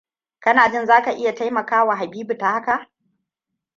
Kana jin za ka iya taimakawa Habibu ta haka?